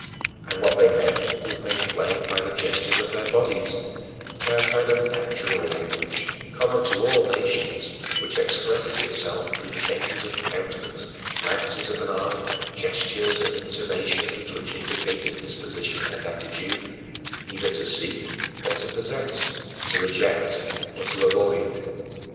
And what they meant was made plain by the gestures of their bodies, by a kind of natural language, common to all nations, which expresses itself through changes of countenance, glances of the eye, gestures and intonations which indicate a disposition and attitude either to seek or to possess, to reject or to avoid.